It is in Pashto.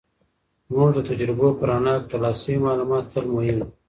زموږ د تجربو په رڼا کې، ترلاسه شوي معلومات تل مهم دي.